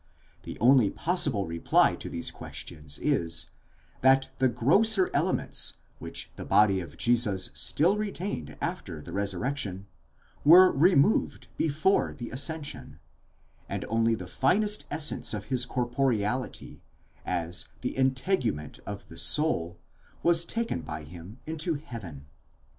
4 The only possible reply to these questions is, that the grosser elements which the body of Jesus still retained after the resurrection, were removed before the ascension, and only the finest essence of his corporeality, as the integument of the soul, was taken by him into heaven.?